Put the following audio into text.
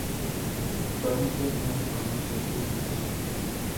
Actualmente no se conoce su ubicación.